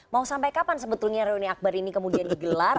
mau sampai kapan sebetulnya reuni akbar ini kemudian digelar